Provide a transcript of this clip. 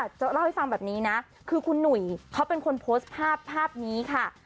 จะเล่าให้ฟังแบบนี้นะคือคุณหนุ่ยเขาเป็นคนโพสต์ภาพภาพนี้ค่ะ